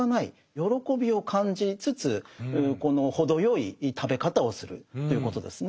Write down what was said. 喜びを感じつつこの程よい食べ方をするということですね。